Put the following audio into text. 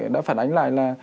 đã phản ánh lại là